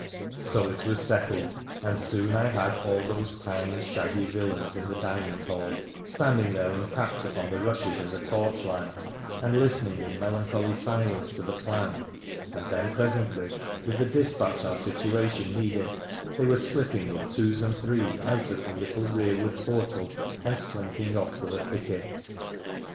So it was settled, and soon I had all those kind, shaggy villains in the dining hall standing there uncapped upon the rushes in the torchlight, and listening in melancholy silence to the plan, and then presently, with the dispatch our situation needed, they were slipping in twos and threes out of the little rearward portal and slinking off to the thickets.